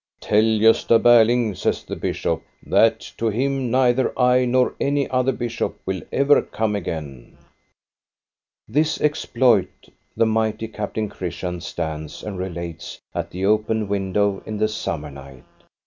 " Tell Gosta Berling," says the bishop, " that to him neither I nor any other bishop will ever come again." lO INTRODUCTION This exploit the mighty Captain Christian stands and relates at the open window in the summer night.